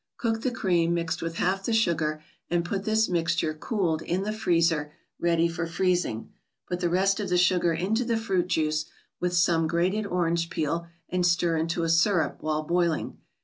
Cook the cream, mixed with half the sugar, and put this mixture, cooled, in the freezer, ready for freezing. Put the rest of the sugar into the fruit juice, with some grated orange peel, and stir into a syrup, while boiling.